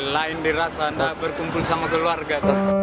lain dirasa tidak berkumpul sama keluarga